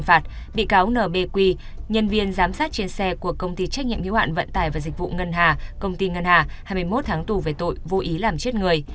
nhân viên giám sát trên xe của công ty trách nhiệm hiếu hạn vận tải và dịch vụ ngân hà công ty ngân hà hai mươi một tháng tù về tội vô ý làm chết người